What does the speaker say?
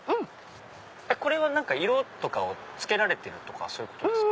これは色をつけられてるとかそういうことですか？